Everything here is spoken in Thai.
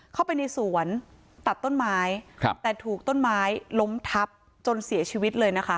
เข้าไปในสวนตัดต้นไม้ครับแต่ถูกต้นไม้ล้มทับจนเสียชีวิตเลยนะคะ